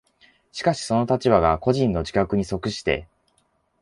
しかしその立場が個人の自覚に即して